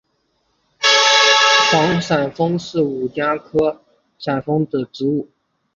幌伞枫是五加科幌伞枫属的植物。